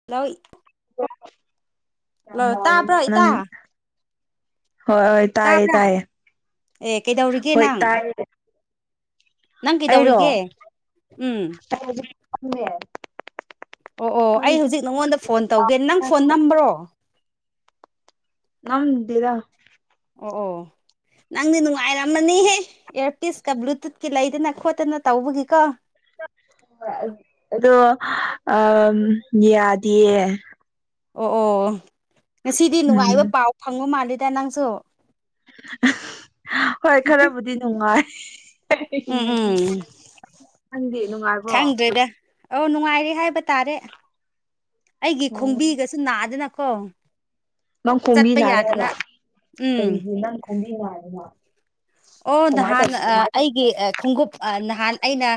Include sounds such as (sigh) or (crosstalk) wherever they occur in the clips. (unintelligible) Hello ꯇꯥꯕ꯭ꯔꯣ (inaudible) ꯅꯪ ꯏꯇꯥ ꯍꯣꯏ ꯍ‌ꯣꯏ ꯇꯥꯏꯌꯦ ꯇꯥꯕ꯭ꯔꯥ ꯇꯥꯏꯌꯦ ꯑꯦ ꯀꯩꯗꯧꯔꯤꯒꯦ ꯍꯣꯏ ꯅꯪ ꯇꯥꯏꯌꯦ ꯅꯪ ꯑꯩꯔꯣ ꯀꯩꯗꯧꯔꯤꯒꯦ ꯎꯝ (inaudible) ꯑꯣ ꯑꯣ ꯅꯪ ꯑꯩ ꯍꯧꯖꯤꯛ ꯅꯪꯉꯣꯟꯗ ꯐꯣꯟ ꯇꯧꯒꯦ ꯅꯪ ꯐꯣꯟ ꯅꯝꯕ꯭ꯔꯣ ꯅꯝꯗꯤꯗ ꯑꯣ ꯑꯣ ꯅꯪꯗꯤ ꯅꯨꯡꯉꯥꯏꯔꯝꯃꯅꯤꯍꯦ ꯏꯌꯔꯄꯤꯁꯀ ꯕ꯭ꯂꯨꯇꯨꯠꯀꯤ ꯂꯩꯗꯅ ꯈꯣꯠꯇꯅ ꯇꯧꯕꯒꯤꯀꯣ ꯑꯗꯣ ꯑꯝ ꯌꯥꯗꯤꯌꯦ ꯑꯣ ꯑꯣ ꯉꯁꯤꯗꯤ ꯎꯝ ꯅꯨꯡꯉꯥꯏꯕ ꯄꯥꯎ ꯐꯪꯕ ꯃꯥꯜꯂꯦꯗ ꯅꯪꯁꯨ ꯍꯣꯏ ꯈꯔꯕꯨꯗꯤ ꯅꯨꯡꯉꯥꯏ ꯎꯝ ꯎꯝ (unintelligible) ꯅꯪꯗꯤ ꯅꯨꯡꯉꯥꯏꯕ꯭ꯔꯣ ꯈꯪꯗ꯭ꯔꯦꯗ ꯑꯧ ꯅꯨꯡꯉꯥꯏꯔꯦ ꯍꯥꯏꯕ ꯇꯥꯔꯦ ꯑꯩꯒꯤ ꯎꯝ ꯈꯣꯡꯕꯤꯒꯁꯨ ꯅꯥꯗꯅꯀꯣ ꯅꯪ ꯈꯣꯝꯕꯤ ꯆꯠꯄ ꯌꯥꯗꯅ ꯅꯥꯏꯌꯦꯕ ꯎꯝ ꯀꯩꯒꯤ ꯅꯪ ꯈꯣꯝꯕꯤ ꯅꯥꯏꯕ ꯑꯣ ꯅꯍꯥꯟ ꯑꯩꯒꯤ ꯈꯣꯡꯎꯞ ꯅꯍꯥꯟ ꯑꯩꯅ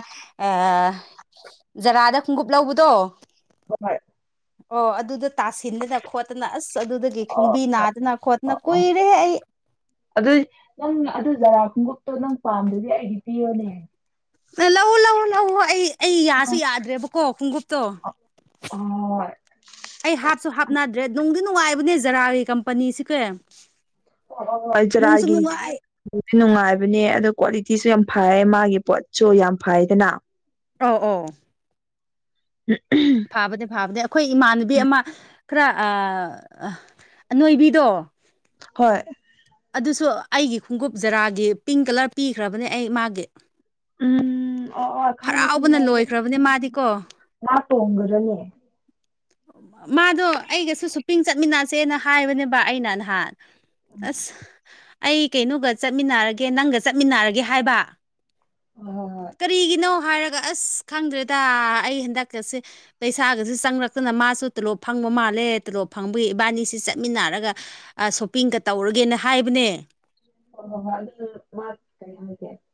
ꯖꯔꯥꯗ ꯈꯣꯡꯎꯞ ꯂꯧꯕꯗꯣ ꯍꯣꯏ ꯑꯣ ꯑꯗꯨꯗ ꯇꯥꯁꯤꯟꯗꯅ ꯈꯣꯠꯇꯅ ꯑꯁ ꯑꯗꯨꯗꯒꯤ ꯑꯣ ꯈꯣꯡꯕꯤ ꯑꯣ ꯅꯥꯗꯅ ꯈꯣꯠꯇꯅ ꯀꯨꯏꯔꯦ ꯑꯩ ꯑꯗꯨꯏ ꯅꯪ ꯑꯗꯨ ꯖꯥꯔꯥ ꯈꯣꯡꯎꯞꯇꯣ ꯅꯪ ꯄꯥꯝꯗꯔꯗꯤ ꯑꯩꯒꯤ ꯄꯤꯌꯣꯅꯦ ꯑꯦ ꯂꯧꯋ‌ꯣ ꯂꯧꯋ‌ꯣ ꯂꯧꯋ‌ꯣ ꯑꯩ ꯑꯩ ꯌꯥꯁꯨ ꯌꯥꯗ꯭ꯔꯦꯕꯀꯣ ꯈꯣꯡꯎꯞꯇꯣ ꯑ ꯑꯩ ꯍꯥꯞꯁꯨ ꯍꯥꯞꯅꯗ꯭ꯔꯦ ꯅꯨꯡꯗꯤ ꯅꯨꯡꯉꯥꯏꯕꯅꯦ ꯖꯔꯥꯒꯤ ꯀꯝꯄꯅꯤꯁꯤ ꯀꯦ ꯑꯩ ꯖꯔꯥꯒꯤ ꯅꯨꯡꯉꯥꯏꯕꯅꯦ ꯑꯗꯣ ꯀ꯭ꯋꯥꯂꯤꯇꯤꯁꯨ ꯌꯥꯝ ꯐꯩ ꯃꯥꯒꯤ ꯄꯣꯠꯁꯨ ꯌꯥꯝ ꯐꯩꯗꯅ ꯑ ꯑꯣ (unintelligible) ꯐꯥꯕꯅ‌ꯦ ꯐꯥꯕꯅ‌ꯦ ꯑꯩꯈꯣꯏ ꯏꯃꯥꯟꯅꯕꯤ ꯎꯝ ꯑꯃ ꯈꯔ ꯑꯥ ꯑꯅꯣꯏꯕꯤꯗꯣ ꯍꯣꯏ ꯑꯗꯨꯁꯨ ꯑꯩꯒꯤ ꯈꯣꯡꯎꯞ ꯖꯔꯥꯒꯤ ꯄꯤꯡ ꯀꯂꯔ ꯄꯤꯈ꯭ꯔꯕꯅꯦ ꯑꯩ ꯃꯥꯒꯤ ꯎꯝ ꯑꯣ ꯑꯣ ꯈꯪꯉꯦ ꯍꯔꯥꯎꯕꯅ ꯈꯪꯉꯦ ꯂꯣꯏꯈ꯭ꯔꯕꯅꯦ ꯃꯥꯗꯤꯀꯣ (inaudible) ꯃꯥ ꯇ‌ꯣꯡꯒꯔꯅꯦ ꯃꯥꯗꯣ ꯑꯩꯒꯁꯨ ꯁꯨꯄꯤꯡ ꯆꯠꯃꯤꯟꯅꯁꯦꯅ ꯍꯥꯏꯕꯅꯦꯕ ꯑꯩꯅ ꯅꯍꯥꯟ ꯑꯁ ꯑꯩ ꯀꯩꯅꯣꯒ ꯆꯠꯃꯤꯟꯅꯔꯒꯦ ꯅꯪꯒ ꯆꯠꯃꯤꯟꯅꯔꯒꯦ ꯍꯥꯏꯕ ꯍꯣꯏ ꯍꯣꯏ ꯀꯔꯤꯒꯤꯅꯣ ꯍꯥꯏꯔꯒ ꯑꯁ ꯈꯪꯗ꯭ꯔꯦꯗ ꯑꯩ ꯍꯟꯗꯛꯀꯁꯦ ꯄꯩꯁꯥꯒꯁꯦ ꯆꯪꯔꯛ ꯈꯛꯇꯅ ꯃꯥꯁꯨ ꯇꯣꯂꯣꯞ ꯐꯪꯕ ꯃꯥꯜꯂꯦ ꯇꯣꯂꯣꯞ ꯐꯪꯕꯒꯤ ꯏꯕꯥꯅꯤꯁꯤ ꯆꯠꯃꯤꯟꯅꯔꯒ ꯑꯥ ꯁꯣꯞꯄꯤꯡꯒ ꯇꯧꯔꯒꯦꯅ ꯍꯥꯏꯕꯅꯦ (inaudible)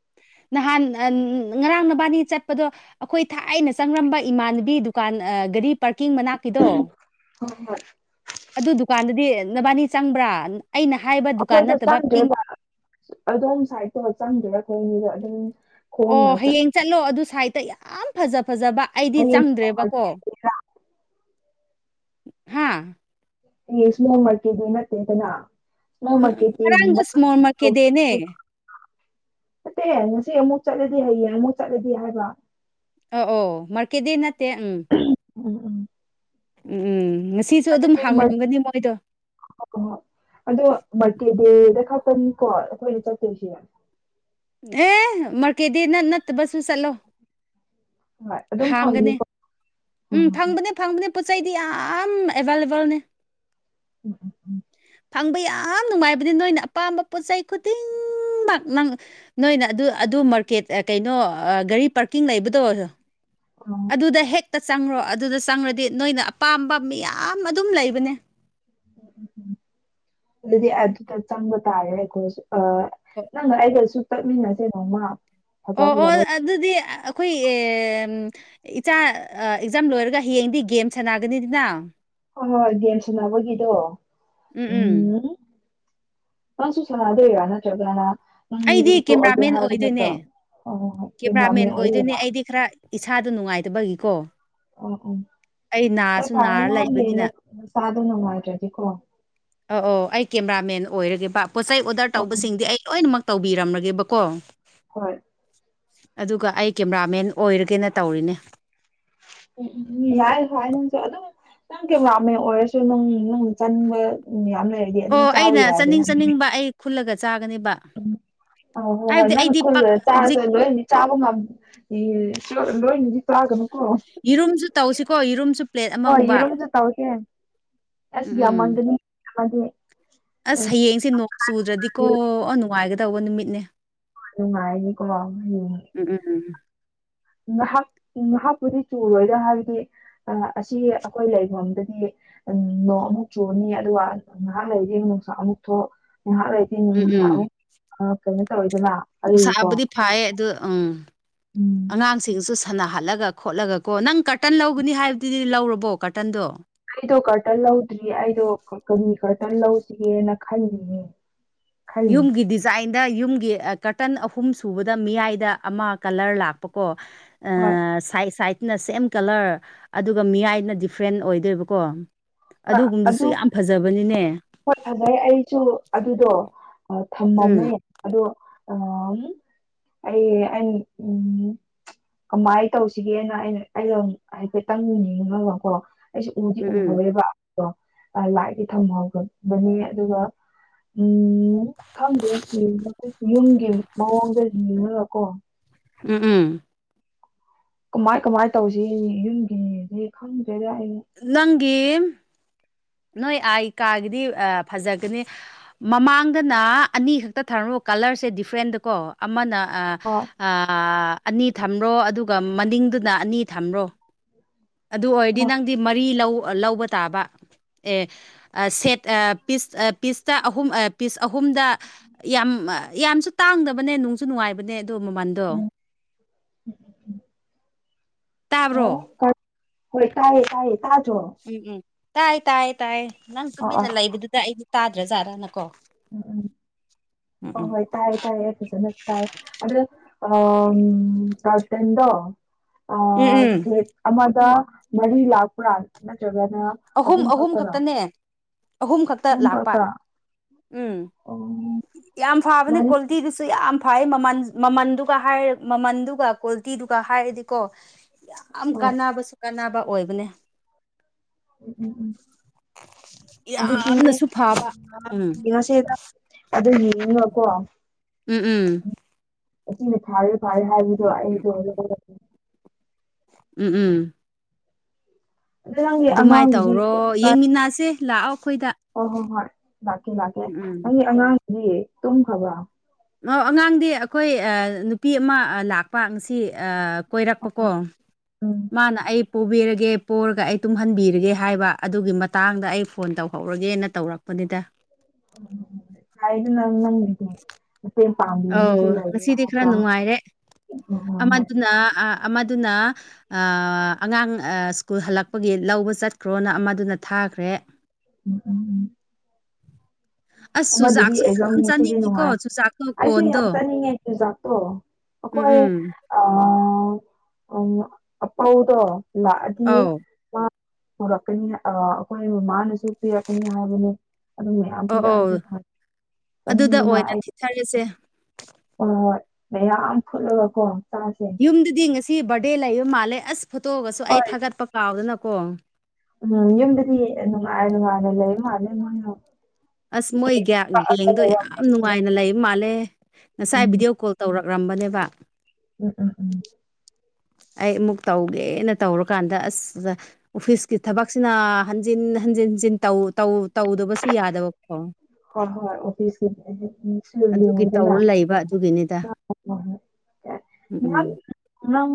ꯅꯍꯥꯟ ꯉꯔꯥꯡ ꯅꯕꯥꯅꯤ ꯆꯠꯄꯗꯣ ꯑꯩꯈꯣꯏ ꯊꯥꯏꯅ ꯆꯪꯂꯝꯕ ꯏꯃꯥꯟꯅꯕꯤ ꯗꯨꯀꯥꯟ ꯒꯥꯔꯤ ꯄꯥꯔꯀꯤꯡ ꯃꯅꯥꯛ ꯀꯤꯗꫭ ꯍꯣꯏ ꯍꯣꯏ ꯑꯗꯨ ꯗꯨꯀꯥꯟꯗꯨꯗꯤ ꯅꯕꯥꯅꯤ ꯆꯪꯕ꯭ꯔ ꯑꯩꯅ ꯍꯥꯏꯕ ꯗꯨꯀꯥꯟ ꯑꯩꯈꯣꯏꯗꫭ ꯅꯠꯇꯕ ꯄꯤꯡ ꯆꯪꯗ꯭ꯔꯦꯕ ꯑꯗꯣꯝ ꯁꯥꯏꯗꯠꯇꯨ ꯆꯪꯗ꯭ꯔꯦ ꯑꯩꯈꯣꯏꯅꯤꯗꫭ ꯑꯗꯨꯝ ꯑꯣ ꯈꯣꯡꯅ ꯆꯠ ꯍꯌꯦꯡ ꯆꯠꯂꯣ ꯑꯗꯨ ꯁꯥꯏꯠꯇ ꯌꯥꯝ ꯐꯖ ꯐꯖꯕ ꯑꯩꯗꯤ ꯍꯌꯦꯡ ꯆꯪꯗ꯭ꯔꯦꯕꯀꯣ ꯍꯥ (unintelligible) ꯎꯝ ꯉꯔꯥꯡꯗꯣ ꯏꯁꯃꯣꯜ ꯃꯥꯔꯀꯦꯠ ꯗꯦꯅꯦ ꯅꯠꯇꯦ ꯉꯁꯤ ꯑꯃꯨꯛ ꯆꯠꯂꯗꯤ ꯍꯌꯦꯡ ꯑꯃꯨꯛ ꯆꯠꯂꯗꯤ ꯍꯥꯏꯕ ꯑ ꯑꯣ ꯃꯥꯔꯀꯦꯠꯗꯤ ꯅꯠꯇꯦ ꯎꯝ ꯎꯝ ꯎꯝ ꯎꯝ ꯎꯝ ꯉꯁꯤꯁꯨ ꯑꯗꯨꯝ ꯍꯥꯡꯉꯝꯒꯅꯤ ꯃꯣꯏꯗꯣ ꯍꯣꯏ ꯍꯣꯏ ꯑꯗꯣ ꯃꯥꯔꯀꯦꯗꯦꯗ ꯈꯔꯛꯇꯅꯤꯀꯣ ꯑꯩꯈꯣꯏꯅ ꯆꯠꯇꯣꯏꯁꯤ ꯑꯦ ꯃꯥꯔꯀꯦꯗꯦ ꯅꯠ ꯅꯠꯇꯕꯁꯨ ꯆꯠꯂꯣ ꯍꯣꯏ ꯑꯗꯨꯝ ꯍꯥꯡꯒꯅꯤ ꯐꯪꯅꯤꯀꯣ ꯎꯝ ꯑꯣ ꯐꯪꯕꯅꯦ ꯐꯪꯕꯅꯦ ꯄꯣꯠ ꯆꯩꯗꯤ ꯌꯥꯝ ꯑꯦꯕꯥꯏꯂꯦꯕꯜꯅꯦ (inaudible) ꯐꯪꯕ ꯌꯥꯝ ꯅꯨꯡꯉꯥꯏꯕꯅꯤ ꯅꯣꯏꯅ ꯑꯄꯥꯝꯕ ꯄꯣꯠ ꯆꯩ ꯈꯨꯗꯤꯡꯃꯛ ꯅꯣꯏꯅ ꯑꯗꯨ ꯑꯗꯨ ꯃꯥꯔꯀꯦꯠ ꯀꯩꯅꯣ ꯒꯥꯔꯤ ꯄꯥꯔꯀꯤꯡ ꯂꯩꯕꯗꯣ (inaudible) ꯑꯗꯨꯗ ꯍꯦꯛꯇ ꯆꯪꯔꫭ ꯑꯗꯨꯗ ꯆꯪꯔꯗꯤ ꯅꯣꯏꯅ ꯑꯄꯥꯝꯕ ꯃꯌꯥꯝ ꯑꯗꯨꯝ ꯂꯩꯕꯅꯦ ꯑꯗꯨꯗꯤ ꯑꯗꯨꯗ ꯆꯪꯕ ꯇꯥꯔꯦ ꯑꯩꯈꯣꯏꯁꯨ ꯅꯪꯒ ꯑꯩꯒꯁꯨ ꯆꯠꯃꯤꯟꯅꯁꯦ ꯅꯣꯡꯃ ꯐꯖ ꯑꯣ ꯑꯣ ꯐꯖꯕ ꯑꯗꯨꯗꯤ ꯑꯩꯈꯣꯏ ꯑꯦꯝ ꯏꯆꯥ ꯑꯦꯛꯖꯥꯝ ꯂꯣꯏꯔꯒ ꯍꯌꯦꯡꯗꯤ ꯒꯦꯝ ꯁꯥꯟꯅꯒꯅꯤꯗꯅ ꯍꫭꯏ ꯍꫭꯏ ꯒꯦꯝ ꯁꯥꯟꯅꯕꯒꯤꯗꫭ ꯎꯝ ꯃꯥꯁꯨ ꯁꯥꯟꯅꯗꫭꯏꯔ ꯅꯠꯇ‌ꯔꯒꯅ ꯑꯩꯗꯤ ꯀꯦꯃꯦꯔꯥꯃꯦꯟ ꯑꯣꯏꯗꯣꯏꯅꯦ ꯑꯣ ꯍꯣꯏ ꯍꯣꯏ ꯀꯦꯃꯦꯔꯥꯃꯦꯟ ꯑꯣꯏꯗꯣꯏꯅꯦ ꯑꯣꯏꯗꯣꯏꯕ ꯑꯩꯗꯤ ꯈꯔ ꯏꯁꯥꯗꯨ ꯅꯨꯡꯉꯥꯏꯇꯕꯒꯤꯀꯣ ꯑꯣ ꯑꯣ ꯑꯩ ꯍꯣꯏ ꯅꯥꯁꯨ ꯅꯥꯔ ꯐꯔꯦꯅꯦ ꯅꯪꯒꯤ ꯂꯩꯕꯅꯤꯅ ꯅꯁꯥꯗꯨ ꯅꯨꯡꯉꯥꯏꯇ꯭ꯔꯗꯤꯀꯣ ꯑ ꯑꯣ ꯑꯩ ꯀꯦꯃꯦꯔꯥꯃꯦꯟ ꯑꯣꯏꯔꯒꯦꯕ ꯄꯣꯠꯆ ꯆꯩ ꯑꯣꯗꯔ ꯑꯣ ꯎꯝ ꯇꯧꯕꯁꯤꯡꯗꯤ ꯑꯩ ꯂꯣꯏꯅꯃꯛ ꯇꯧꯕꯤꯔꯝꯂꯒꯦꯕꯀꯣ ꯍꯣꯏ ꯑꯗꯨꯒ ꯑꯩ ꯀꯦꯃꯦꯔꯥꯃꯦꯟ ꯑꯣꯏꯔꯒꯦꯅ ꯇꯧꯔꯤꯅꯦ ꯎꯝ ꯎꯝ ꯎꯝ ꯌꯥꯏ ꯍꫭꯏ ꯅꯪꯁꯨ ꯑꯗꯨꯝ ꯅꯪ ꯀꯦꯕꯥꯃꯦꯟ ꯑꯣꯏꯔꯁꯨ (unintelligible) ꯅꯪꯅ ꯆꯥꯅꯤꯡꯕ ꯃꯌꯥꯝ ꯂꯩ ꯑꯣ ꯑꯩꯅ ꯆꯥꯅꯤꯡ ꯆꯥꯅꯤꯡꯕ ꯑꯩ ꯈꯨꯜꯂꯒ ꯆꯥꯒꯅꯦꯕ ꯑꫭ ꯍꯣ ꯍꫭꯏ ꯍꯥꯏꯕꯗꯤ ꯅꯪꯅ ꯑꯩꯗꯤ ꯄꯥꯛ ꯈꯨꯜꯂ ꯆꯥꯔꯁꯨ ꯍꯧꯖꯤꯛ ꯂꯣꯏꯅ ꯆꯥꯕ ꯉꯝ ꯂꯣꯏꯅꯗꯤ ꯆꯥꯒꯅꯨꯀꫭ ꯌꯦꯔꯨꯝꯁꯨ ꯇꯧꯁꯤꯀꯣ ꯌꯦꯔꯨꯝꯁꯨ ꯄ꯭ꯂꯦꯠ ꯍꯣꯏ ꯑꯃꯒꯨꯝꯕ ꯌꯦꯔꯨꯝꯖꯨ ꯇꯥꯎꯔꯛꯀꯦ ꯑꯁ ꯎꯝ ꯎꯝ ꯌꯥꯝꯃꯟꯒꯅꯤ (unintelligible) ꯑꯁ ꯍꯌꯦꯡꯁꯦ ꯅꯣꯡ ꯆꯨꯗ꯭ꯔꯗꯤꯀꯣ ꯅꯨꯡꯉꯥꯏꯒꯗꯧꯕ ꯅꯨꯃꯤꯠꯅꯦ ꯅꯨꯡꯉꯥꯢꯅꯤꯒꯣ ꯑꯝ ꯎꯝ ꯎꯝ ꯎꯝ ꯎꯝ ꯉꯥꯏꯍꯥꯛ ꯉꯥꯏꯍꯥꯛꯄꯨꯗꯤ ꯆꯨꯔꯣꯏꯗ ꯍꯥꯏꯕꯗꯤ ꯑꯁꯤ ꯑꯩꯈꯣꯏ ꯂꯩꯐꯝꯗꯗꯤ ꯎꯝ ꯅꯣꯡ ꯑꯃꯨꯛ ꯆꯨꯅꯤ ꯑꯗꯨꯒ ꯉꯥꯏꯍꯥꯛ ꯂꯩꯔꯗꯤ ꯅꯨꯡꯁꯥ ꯑꯃꯨꯛ ꯊꯣꯛ ꯉꯥꯏꯍꯥꯛ ꯂꯩ ꯇꯤꯟ ꯎꯝ ꯅꯨꯡꯁꯥ ꯎꯝ ꯑꯃꯨꯛ ꯀꯩꯅꯣ ꯇꯧꯋꯤꯗꯅ ꯑꯗꯨꯗꯤꯀꯣ ꯅꯨꯡꯁꯥꯕꯨꯗꯤ ꯐꯩꯌꯦ ꯑꯗꯨ ꯎꯝ ꯑꯉꯥꯡꯁꯤꯡꯁꯨ ꯁꯥꯟꯅꯍꯜꯂꯒ ꯈꯣꯠꯂꯒ ꯀꯣ ꯅꯪ ꯀꯥꯔꯇꯟ ꯂꯧꯒꯅꯤ ꯍꯥꯏꯕꯗꯨꯗꯤ ꯂꯧꯔꯕꯣ ꯀꯥꯔꯇꯟꯗꯣ ꯑꯩꯗꯣ ꯀꯥꯔꯇꯟ ꯂꯧꯗ꯭ꯔꯤ ꯑꯩꯗꯣ ꯀꯔꯤ ꯀꯔꯇꯟ ꯂꯧꯁꯤꯒꯦꯅ ꯈꯥꯜꯂꯤꯅꯦ ꯌꯨꯝꯒꯤꯗꯤ ꯆꯥꯏꯟꯗ ꯌꯨꯝꯒꯤ ꯀꯥꯔꯇꯟ ꯑꯍꯨꯝ ꯁꯨꯕꯗ ꯃꯤꯌꯥꯏꯗ ꯑꯃ ꯀꯂꯔ ꯂꯥꯛꯄꯀꯣ ꯍꯣꯏ ꯁꯥꯏꯠ ꯁꯥꯏꯠꯇꯅ ꯁꯦꯝ ꯀꯂꯔ ꯑꯗꯨꯒ ꯃꯤꯌꯥꯏꯅ ꯗꯤꯐ꯭ꯔꯦꯟ ꯑꯣꯏꯗꯣꯏꯕꯀꯣ ꯍꯣꯏ ꯑꯗꯨꯒꯨꯝꯕꯗꯨꯁꯨ ꯑꯗꯨ ꯌꯥꯝ ꯐꯖꯕꯅꯤꯅꯦ ꯍꯣꯏ ꯐꯖꯩ ꯑꯩꯁꯨ ꯑꯗꯨꯗꯣ ꯑꯥ ꯎꯝ ꯊꯝꯃꯝꯃꯦ ꯑꯗꯣ ꯎ ꯑꯩ ꯑꯩ ꯎꯝ ꯀꯃꯥꯏꯅ ꯇꯧꯁꯤꯒꯦꯅ ꯑꯩꯅ ꯑꯩ ꯍꯥꯏꯐꯦꯠꯇꯪ ꯌꯦꯅꯤꯡꯉꯑꯀꯣ ꯑꯩꯁꯨ ꯎꯗꯤ ꯎꯝ ꯎꯍꯧꯋꯦꯕꯣ ꯂꯥꯏꯗꯤ ꯊꯝꯍꯧꯕꯅꯦ ꯑꯗꯨꯒ ꯎꯝ ꯈꯪꯗꯦ ꯌꯨꯝꯒꯤ ꯃꯑꯣꯡꯗ ꯌꯦꯡꯉꯒꯀꯣ ꯎꯝ ꯎꯝ ꯀꯃꯥꯏ ꯀꯃꯥꯏꯅ ꯇꯧꯁꯤꯒꯦꯅꯦ ꯌꯨꯝꯒꯤꯗꯤ ꯈꯪꯗ꯭ꯔꯦꯗ ꯑꯩ ꯅꯪꯒꯤ ꯅꯣꯏ ꯑꯥ ꯀꯥꯒꯤꯗꯤ ꯐꯖꯒꯅꯤ ꯃꯃꯥꯡꯗꯅ ꯑꯅꯤ ꯈꯛꯇ ꯊꯥꯔꯣꯕ ꯀꯂꯔꯁꯦ ꯗꯤꯐ꯭ꯔꯦꯟꯗꯀꯣ ꯑꯃꯅ ꯑ ꯑꯅꯤ ꯊꯝꯔꯣ ꯑꯗꯨꯒ ꯃꯅꯤꯡꯗꯨꯅ ꯑꯅꯤ ꯊꯝꯔꯣ ꯑꯗꯨ ꯑꯣꯏꯔꯗꯤ ꯑ ꯅꯪꯗꯤ ꯃꯔꯤ ꯂꯧ ꯂꯧꯕ ꯇꯥꯕ ꯑꯦ ꯁꯦꯠ ꯄꯤꯁ ꯄꯤꯁꯇ ꯑꯍꯨꯝ ꯄꯤꯁ ꯑꯍꯨꯝꯗ ꯌꯥꯝ ꯌꯥꯝꯁꯨ ꯇꯥꯡꯗꯕꯅꯦ ꯅꯨꯡꯁꯨ ꯅꯨꯡꯉꯥꯏꯕꯅꯦ ꯑꯗꯨ ꯃꯃꯟꯗꯣ ꯎꯝ ꯎꯝ ꯎꯝ (inaudible) ꯇꯥꯕ꯭ꯔꯣ ꯑꯣ ꯍꯣꯏ ꯇꯥꯏꯌꯦ ꯇꯥꯏꯌꯦ ꯇꯥꯗ꯭ꯔꯣ ꯎꯝ ꯎꯝ ꯇꯥꯏ ꯇꯥꯏ ꯇꯥꯏ ꯅꯪ ꯑ ꯑ ꯇꯨꯃꯤꯟꯅ ꯂꯩꯕꯗꯨꯗ ꯑꯩꯗꯤ ꯇꯥꯗ꯭ꯔꯖꯥꯠꯂꯅꯀꯣ ꯎꯝ ꯎꯝ ꯍꯣꯢ ꯍꯣꯏ ꯇꯥꯏꯌꯦ ꯇꯥꯏꯌꯦ ꯐꯖꯅ ꯇꯥꯏ ꯑꯗꯨꯗ ꯑꯥ ꯒꯥꯜ ꯐ꯭ꯔꯦꯟꯗꯣ ꯑ ꯎꯝ ꯎꯝ ꯁꯦꯠ ꯑꯃꯗ ꯃꯔꯤ ꯂꯥꯛꯄ꯭ꯔꯥꯟ ꯅꯠꯇ꯭ꯔꯒꯅ ꯑꯍꯨꯝ ꯑꯍꯨꯝ ꯈꯛꯇꯅꯦ ꯑꯍꯨꯝ ꯈꯛꯇ ꯂꯥꯛꯄ ꯎꯝ ꯑꯣ ꯌꯥꯝ ꯐꯕꯅꯦ ꯃꯔꯤ ꯀ꯭ꯋꯥꯂꯤꯇꯤꯗꯨꯁꯨ ꯌꯥꯝ ꯐꯩꯌꯦ ꯃꯃꯜ ꯃꯃꯜꯗꯨ ꯃꯃꯜꯗꯨ ꯀ꯭ꯋꯥꯂꯤꯇꯤꯗꯨꯒ ꯍꯥꯏꯔꯗꯤꯀꯣ ꯌꯥꯝ ꯍꯣꯏ ꯀꯥꯟꯅꯕꯁꯨ ꯀꯥꯟꯅꯕ ꯑꯣꯏꯕꯅꯦ ꯎꯝ ꯎꯝ ꯎꯝ ꯑꯗꯨꯗꯤꯅꯦ ꯌꯥꯝꯅꯁꯨ ꯐꯕ ꯎꯝ ꯅꯠꯇꯦꯗ ꯑꯗꯨꯒꯤꯅꯤꯅ ꯒꯣ ꯎꯝ ꯎꯝ ꯑꯁꯤꯁ ꯐꯥꯔꯦ ꯐꯥꯔꯦ ꯍꯥꯏꯕꯗꯣ ꯑꯩꯁꯨ ꯎꯝ ꯎꯝ ꯑꯗꯣ ꯅꯪꯒꯤ ꯑꯗꯨꯃꯥꯏꯅ ꯑꯉꯥꯡꯗꯨꯗꯤ ꯇꯧꯔꯣ ꯀꯥꯏ? ꯌꯦꯡꯃꯤꯟꯅꯁꯦ ꯂꯥꯛꯑꯣ ꯑꯩꯈꯣꯏꯗ ꯍꯣꯏ ꯍꯣꯣ ꯍꯣꯏ ꯂꯥꯛꯀꯦ ꯂꯥꯛꯀꯦ ꯎꯝ ꯅꯪꯒꯤ ꯑꯉꯥꯡꯗꯤ ꯇꯨꯝꯈ꯭ꯔꯥꯕ ꯑꯉꯥꯡꯗꯤ ꯑꯩꯈꯣꯏ ꯅꯨꯄꯤ ꯑꯃ ꯂꯥꯛꯄ ꯉꯁꯤ ꯀꯣꯏꯔꯛꯄꯀꯣ ꯎꯝ ꯃꯥꯅ ꯑꯩ ꯄꯨꯕꯤꯔꯒꯦ ꯄꯣꯔꯒ ꯑꯩ ꯇꯨꯝꯍꯟꯕꯤꯔꯒꯦ ꯍꯥꯏꯕ ꯑꯗꯨꯒꯤ ꯃꯇꯥꯡꯗ ꯑꯩ ꯐꯣꯟ ꯇꯧꯍꯧꯔꯒꯦꯅ ꯇꯧꯔꯛꯄꯅꯤꯗ (unintelligible) (unintelligible) ꯑꯥꯎ ꯂꯩꯔꯦ ꯉꯁꯤꯗꯤ ꯈꯔ ꯑꯃꯨꯛꯀ ꯍꯣꯏ ꯅꯨꯡꯉꯥꯏꯔꯦ ꯍꯣꯏ ꯍꯣꯏ ꯑꯃꯗꯨꯅ ꯑ ꯑꯃꯗꯨꯅ ꯑꯉꯥꯡ ꯁ꯭ꯀꯨꯜ ꯍꯜꯂꯛꯄꯒꯤ ꯂꯧꯕ ꯆꯠꯈ꯭ꯔꯣꯅ ꯑꯃꯗꯨꯅ ꯊꯥꯈ꯭ꯔꯦ ꯑꯁ ꯑꯃꯗꯨꯗꯤ ꯆꯨꯖꯥꯛꯁꯨ ꯑꯦꯖꯝ ꯌꯥꯝ ꯉꯁꯤꯗꯤ ꯆꯥꯅꯤꯡꯉꯤꯀꯣ ꯅꯨꯡꯉꯥꯏ ꯆꯨꯖꯥꯛꯇꯣ ꯑꯩꯁꯨ ꯀꯣꯟꯗꯣ ꯌꯥꯝ ꯆꯥꯅꯤꯡꯉꯦ ꯆꯨꯖꯥꯛꯇꯣ ꯎꯝ ꯑꯩꯈꯣꯏ ꯎꯝ ꯑꯄꯧꯗꫭ ꯂꯥꯛ ꯑꯗꯤ ꯑꯧ ꯃꯥ ꯄꯨꯔꯛꯀꯅꯤ ꯑ ꯑꯩꯈꯣꯏ ꯃꯃꯥꯅꯁꯨ ꯄꯤꯔꯛꯀꯅꯤ ꯍꯥꯏꯕꯅꯦ ꯑꯗꯨ ꯃꯌꯥꯝ ꯑꯧ ꯑꯧ ꯄꯤꯔꯛꯑꯗꯤ (inaudible) ꯑꯗꯨꯗ ꯆꯥꯅꯤꯡꯕꯅ ꯑꯩ (unintelligible) ꯍꫭ ꯍꯣꯏ ꯌꯥꯝꯌꯥꯝ ꯐꯨꯜꯂꯒꯀꯣ ꯆꯥꯁꯦ ꯌꯨꯝꯗꯗꯤ ꯉꯁꯤ ꯕꯥꯔꯗꯦ ꯂꯩꯕ ꯃꯥꯜꯂꯦ ꯑꯁ ꯐꯣꯇꯣꯒꯁꯨ ꯑꯩ ꯍꯣꯏ ꯊꯥꯒꯠꯄ ꯀꯥꯎꯗꯅꯀꯣ ꯎꯝ ꯌꯨꯝꯗꯗꯤ ꯅꯨꯉꯥꯏ ꯅꯨꯉꯥꯏ ꯂꯩꯕ ꯃꯥꯜꯂꯦ ꯅꫭꯏꯗꫭ ꯑꯁ ꯃꯣꯏ ꯒꯦꯡꯗꯣ ꯌꯥꯝ ꯅꯨꯡꯉꯥꯏꯅ ꯂꯩꯕ ꯃꯥꯜꯂꯦ ꯉꯁꯥꯏ ꯎꯝ ꯚꯤꯗꯤꯑꯣ ꯀꯣꯜ ꯇꯧꯔꯛ ꯔꯝꯕꯅꯦꯕ ꯎꯝ ꯎꯝ ꯎꯝ ꯑꯩ ꯑꯃꯨꯛ ꯇꯧꯒꯦꯅ ꯇꯧꯔꯀꯥꯟꯗ ꯑꯁ ꯑꯣꯐꯤꯁꯀꯤ ꯊꯕꯛꯁꯤꯅ ꯍꯟꯖꯤꯟ ꯍꯟꯖꯤꯟ ꯍꯟꯖꯤꯟ ꯇꯧ ꯇꯧ ꯇꯧꯗꯕꯁꯨ ꯌꯥꯗꯕꯀꯣ ꯍꯣꯏ ꯍꯣꯏ ꯑꯣꯐꯤꯁꯀꯤ (unintelligible) ꯑꯗꯨꯒꯤ ꯂꯨꯏꯗꯅ ꯇꯧꯔ ꯂꯩꯕ ꯑꯗꯨꯒꯤꯅꯤꯗ ꯎꯝ ꯎꯝ ꯅꯪ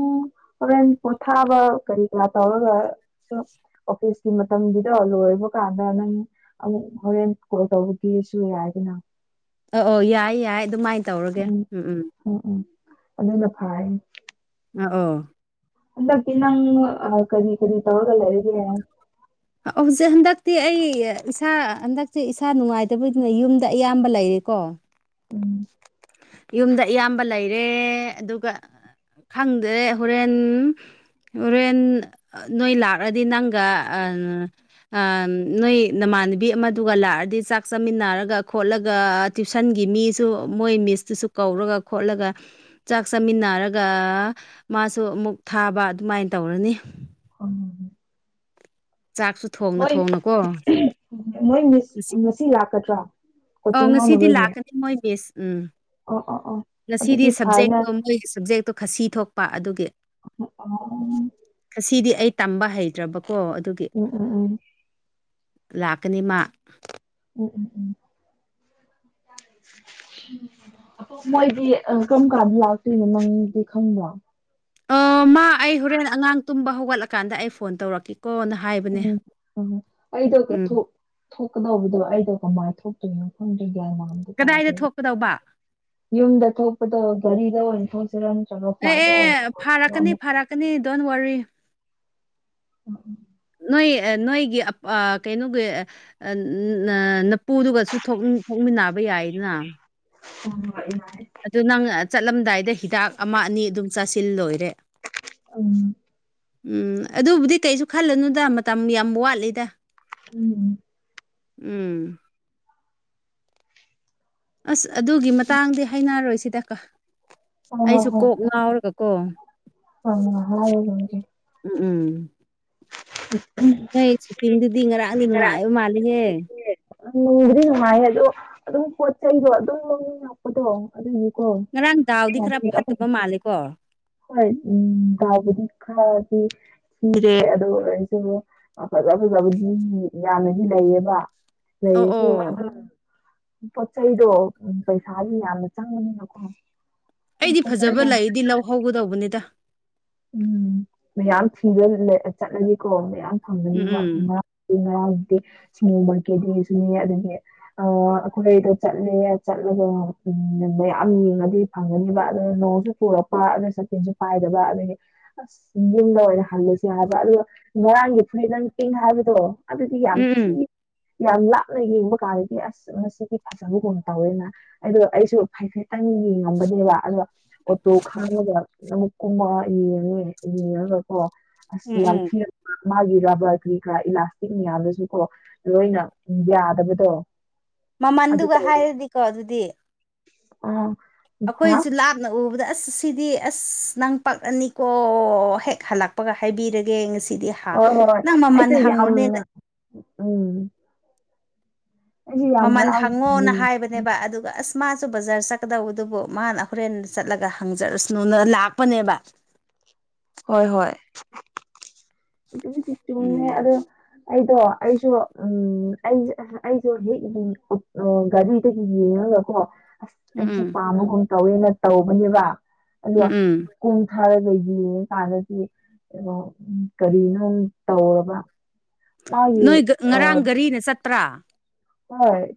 ꯍꯣꯔꯦꯟ ꯄꯣꯊꯥꯕ ꯀꯔꯤ ꯀꯔꯥ ꯇꯧꯔꯒ ꯑꯣꯐꯤꯁꯀꯤ ꯃꯇꯝꯒꯤꯗꫭ ꯂꯣꯏꯔꯕ ꯀꯥꯟꯗ ꯅꯪ ꯑꯃꯨꯛ ꯍꯣꯔꯦꯟ ꯀꯣꯜ ꯇꯧꯕꯒꯤꯁꯨ ꯌꯥꯏꯗꯅ ꯑ ꯑꯣ ꯌꯥꯏ ꯌꯥꯏ ꯑꯗꯨꯃꯥꯏꯅ ꯇꯧꯔꯒꯦ ꯎꯝ ꯎꯝ ꯎꯝ ꯎꯝ ꯑꯗꯨꯅ ꯐꯔꯅꯤ ꯑ ꯑꯣ ꯍꯟꯗꯇꯤ ꯅꯪ ꯑ ꯀꯔꯤ ꯀꯔꯤ ꯇꯧꯔꯒ ꯂꯩꯔꯤꯒꯦ ꯍꯧꯖꯤꯛ ꯍꯟꯗꯛꯇꯤ ꯑꯩ ꯏꯁꯥ ꯍꯟꯗꯛꯇꯤ ꯏꯁꯥ ꯅꯨꯡꯉꯥꯏꯇꯕꯒꯤꯗꯨꯅ ꯌꯨꯝꯗ ꯑꯌꯥꯝꯕ ꯂꯩꯔꯦꯀꯣ ꯎꯝ ꯌꯨꯝꯗ ꯑꯌꯥꯝꯕ ꯂꯩꯔꯦ ꯑꯗꯨꯒ ꯈꯪꯗꯔꯦ ꯍꯣꯔꯦꯟ ꯍꯣꯔꯦꯟ ꯅꯣꯏ ꯂꯥꯛꯂꯗꯤ ꯅꯪꯒ ꯅꯣꯏ ꯅꯃꯥꯟꯅꯕꯤ ꯑꯃꯗꯨꯒ ꯂꯥꯛꯑꯗꯤ ꯆꯥꯛ ꯆꯥꯃꯤꯟꯅꯔꯒ ꯈꯣꯠꯂꯒ ꯇ꯭ꯋꯨꯁꯟꯒꯤ ꯃꯤꯁꯨ ꯃꯣꯏ ꯃꯤꯁꯇꯨꯁꯨ ꯀꯧꯔꯒ ꯈꯣꯠꯂꯒ ꯆꯥꯛ ꯆꯥꯃꯤꯟꯅꯔꯒ ꯃꯥꯁꯨ ꯑꯃꯨꯛ ꯊꯥꯕ ꯑꯗꯨꯃꯥꯏꯅ ꯇꯧꯔꯅꯤ (inaudible) ꯆꯥꯛꯁꯨ ꯊꯣꯡꯅ ꯃꯣꯏ ꯊꯣꯡꯅꯀꯣ ꯃꯣꯏ ꯃꯤꯁ ꯉꯁꯤ ꯂꯥꯛꯀꯗ꯭ꯔꯥ ꯑꯧ ꯉꯁꯤꯗꯤ ꯂꯥꯛꯀꯅꯤ ꯃꯣꯏ ꯃꯤꯁ ꯎꯝ ꯑꯣ ꯑꯣ ꯑꯣ ꯉꯁꯤꯗꯤ ꯑꯗꯨꯗꯤ ꯐꯔꯦꯅꯦ ꯁꯕꯖꯦꯛꯇꯣ ꯃꯣꯏꯒꯤ ꯁꯞꯖꯦꯛꯇꯣ ꯈꯥꯁꯤ ꯊꯣꯛꯄ ꯑꯗꯨꯒꯤ (inaudible) ꯈꯥꯁꯤꯗꯤ ꯑꯩ ꯇꯝꯕ ꯍꯩꯇ꯭ꯔꯕꯀꯣ ꯑꯗꯨꯒꯤ ꯎꯝ ꯎꯝ ꯎꯝ ꯂꯥꯛꯀꯅꯤ ꯃꯥ ꯎ ꯎꯝ ꯎꯝ ꯃꯣꯏꯗꯤ ꯀꯝ ꯀꯥ ꯂꯥꯎꯇꯣꯏꯅꯣ ꯅꯪꯗꯤ ꯈꯪꯕ꯭ꯔꯣ ꯑꯣ ꯃꯥ ꯑꯩ ꯍꯣꯔꯦꯟ ꯑꯉꯥꯡ ꯇꯨꯝꯕ ꯍꯧꯒꯠꯂꯀꯥꯟꯗ ꯑꯩ ꯐꯣꯟ ꯇꯧꯔꯛꯀꯦꯀꯣꯅ ꯍꯥꯏ ꯑꯩꯗ (unintelligible) ꯊꯣꯛꯀꯗꯧꯕꯗꯣ ꯑꯩꯗꯣ ꯀꯃꯥꯏ ꯊꯣꯛꯇꯣꯏꯅꯣ ꯈꯪꯗ꯭ꯔꯦ ꯒ꯭ꯌꯥꯟꯒ ꯑꯝꯇ ꯀꯗꯥꯏꯗ ꯇꯥꯗ꯭ꯔꯦꯕ ꯊꯣꯛꯀꯗꯧꯕ ꯌꯨꯝꯗ ꯊꯣꯛꯄꯗꯣ ꯘꯔꯤꯗ ꯑꯣꯏꯅ ꯊꯣꯛꯁꯤꯔ ꯑꯦ ꯑꯦ ꯐꯥꯔꯛꯀꯅꯤ ꯐꯥꯔꯛꯀꯅꯤ ꯗꯣꯟ ꯋꯥꯔꯤ ꯎꯝ ꯎꯝ ꯅꯣꯏ ꯅꯣꯏꯒꯤ ꯑꯞ ꯑꯥ ꯀꯩꯅꯣꯒꯤ ꯄꯨꯗꯨꯒꯁꯨ ꯊꯣꯛꯃꯤꯟ ꯊꯣꯛꯃꯤꯟꯅꯕ ꯌꯥꯏꯅ (inaudible) ꯑꯗꯨ ꯅꯪ ꯆꯠꯂꯝꯗꯥꯏꯗ ꯍꯤꯗꯥꯛ ꯑꯃ ꯑꯅꯤ ꯑꯗꯨꯝ ꯆꯥꯁꯤꯜ ꯂꯣꯏꯔꯦ ꯎꯝ ꯎꯝ ꯑꯗꯨꯕꯨꯗꯤ ꯀꯩꯁꯨ ꯈꯜꯂꯅꯨꯗ ꯃꯇꯝ ꯌꯥꯝ ꯋꯥꯠꯂꯤꯗ ꯎꯝ ꯎꯝ ꯑꯁ ꯑꯗꯨꯒꯤ ꯃꯇꯥꯡꯗꯤ ꯍꯥꯏꯅꯔꯣꯏꯁꯤꯗꯀ ꯍꯣꯏ ꯑꯩꯁꯨ ꯀꯣꯛ ꯉꯥꯎꯔꯒ ꯀꯣ ꯑꯃ ꯍꯥꯏꯔ ꯌꯦꯡꯒꯦ ꯎꯝ ꯎꯝ ꯅꯣꯏ ꯁꯨꯇꯤꯡꯗꯨꯗꯤ ꯉꯔꯥꯡꯗꯤ ꯅꯨꯡꯉꯥꯏꯕ ꯃꯥꯜꯂꯤꯍꯦ ꯅꯨꯡꯕꯨꯗꯤ ꯅꯨꯡꯉꯥꯏꯌꯦ ꯑꯗꯣ ꯑꯗꯨꯝ ꯄꯣꯠ ꯆꯩꯗꯣ ꯑꯗꯨꯝ ꯑꯗꯣ ꯑꯗꯨꯏꯀꯣ ꯉꯔꯥꯡ ꯗꯥꯎꯗꯤ ꯈꯔ ꯐꯠꯇꯕ ꯃꯥꯜꯂꯦꯀꯣ ꯍꯣꯏ ꯎꯝ ꯗꯥꯎꯕꯨꯗꯤ ꯈꯔꯗꯤ ꯁꯤꯔꯦ ꯑꯗꯣ (unintelligible) ꯐꯖ ꯐꯖꯕꯗꯤ ꯌꯥꯝꯅꯗꯤ ꯂꯩꯌꯦꯕ ꯑꯣ ꯂꯩꯁꯨ ꯑꯣ ꯄꯣꯠ ꯆꯩꯗꯣ ꯄꯩꯁꯥꯒꯤ ꯌꯥꯝꯅ ꯆꯪꯕꯅꯤꯅꯀꯣ ꯑꯩꯗꯤ ꯄꯣꯠ ꯐꯖꯕ ꯆꯩꯗꯣ ꯂꯩꯗꯤ ꯂꯧꯍꯧꯒꯗꯧꯕꯅꯤꯗ ꯎꯝ ꯃꯌꯥꯝ ꯊꯤꯕ ꯂꯦ ꯆꯠꯂꯒꯦꯀꯣ ꯃꯌꯥꯝ ꯐꯪꯒꯅꯤꯕ ꯎꯝ ꯉꯔꯥꯡꯗꯤ (unintelligible) ꯑꯥ ꯑꯩꯈꯣꯏꯗꯣ ꯆꯠꯂꯦ ꯆꯠꯂꯒ ꯃꯌꯥꯝ ꯌꯦꯡꯉꯗꯤ ꯐꯪꯒꯅꯦꯕ ꯑꯗꯣ ꯅꯣꯡꯁꯨ (unintelligible) ꯑꯗ ꯁꯇꯤꯟꯁꯨ ꯄꯥꯏꯗ꯭ꯔꯕ ꯑꯗꯒꯤ ꯑꯁ ꯌꯨꯝꯗ ꯑꯣꯏꯅ ꯍꯜꯂꯁꯦ ꯍꯥꯏꯕ ꯑꯗꯨꯒ ꯉꯔꯥꯡꯒꯤ ꯐꯨꯔꯤ ꯅꯪ ꯄꯤꯡ ꯍꯥꯏꯕꯗꯣ ꯑꯗꯨꯗꯤ ꯎꯝ ꯌꯥꯝ ꯊꯤ ꯎꯝ ꯌꯥꯝ ꯂꯥꯞꯅ ꯌꯦꯡꯕ ꯀꯥꯟꯗꯗꯤ ꯑꯁ ꯃꯁꯤꯗꯤ ꯐꯖꯕꯒꯨꯝ ꯇꯧꯋꯦꯅ ꯑꯗꯣ ꯑꯩꯁꯨ ꯐꯩꯐꯦꯇꯪ ꯉꯝꯕꯅꯦꯕ ꯑꯗꯨꯒ ꯑꯣꯇꯣ ꯈꯥꯝꯒ ꯑꯃꯨꯛ ꯀꯨꯝꯃꯣꯏ ꯌꯦꯡꯉꯒꯅꯦ ꯌꯦꯡꯉꯒꯀꯣ ꯑꯁ ꯎꯝ ꯎꯝ ꯌꯥꯝ ꯎꯝ ꯊꯤꯔ ꯃꯥꯒꯤ ꯔꯕꯔ ꯀ꯭ꯔꯤꯀ꯭ꯔꯥ ꯏꯂꯥꯁꯇꯤꯛ ꯃꯌꯥꯝꯗꯨꯁꯨ ꯀꯣ ꯂꯣꯏꯅ ꯌꯥꯗꯕꯗꯣ ꯑꯗꯨ ꯃꯃꯟꯗꯨꯒ ꯍꯥꯏꯔꯗꯤꯀꯣ ꯑꯗꯨꯗꯤ ꯑ ꯑꯩꯈꯣꯏꯁꯨ ꯂꯥꯞ ꯅ ꯎꯕꯗ ꯑꯁ ꯁꯤꯗꯤ ꯑꯁ ꯅꯪꯄꯥꯛꯑꯅꯤꯀꯣ ꯍꯦꯛ ꯍꯜꯂꯛꯄꯒ ꯍꯥꯏꯕꯤꯔꯒꯦ ꯉꯁꯤꯗꯤ ꯍꯥ ꯍꯣꯏ ꯍꯣꯏ ꯅꯪ ꯃꯃꯜ ꯑꯩꯁꯨ ꯍꯪꯉꯨꯅꯦ ꯌꯥꯝꯅ ꯎꯝ ꯑꯩꯁꯦ ꯌꯥꯝ ꯃꯃꯟ ꯍꯔꯥꯎ ꯍꯪꯉꯣꯅ ꯍꯥꯏꯕꯅꯦꯕ ꯑꯗꯨꯒ ꯑꯁ ꯃꯥꯁꯨ ꯕꯖꯥꯔ ꯆꯠꯀꯗꯧꯕꯗꯨꯕꯨ ꯃꯥꯅ ꯍꯣꯔꯦꯟ ꯆꯠꯂꯒ ꯍꯪꯖꯔꯨꯁꯅꯨꯅ ꯂꯥꯛꯄꯅꯦꯕ ꯍꯣꯏ ꯍꯣꯏ ꯑꯗꯨꯁꯨ ꯆꯨꯝꯃꯦ ꯎꯝ ꯑꯗꯣ ꯑꯩꯗꯣ ꯑꯩꯁꯨ ꯎꯝ ꯑꯩ ꯑꯩꯖꯦ ꯍꯧꯖꯤꯛ ꯒꯥꯔꯤꯗꯒꯤ ꯌꯦꯡꯉꯒ ꯀꯣ ꯑꯁ ꯎꯝ ꯑꯩꯁꯨ ꯎꯝ ꯄꯥꯝꯃꯒꯨꯝ ꯇꯧꯋꯦꯅ ꯇꯧꯕꯅꯦꯕ ꯑꯗꯣ ꯎꯝ ꯎꯝ ꯀꯨꯝꯊꯥꯔꯒ ꯌꯦꯡꯉꯀꯥꯟꯗꯗꯤ ꯀꯩꯅꯣ ꯀꯔꯤꯅꯣꯝ ꯇꯧꯔꯕ ꯃꯥꯒꯤ ꯅꯣꯏ ꯑ ꯉꯔꯥꯡ ꯒꯥꯔꯤꯅ ꯆꯠꯄ꯭ꯔꯥ ꯍꯣꯏ